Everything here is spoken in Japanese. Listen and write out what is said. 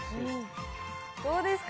どうですか？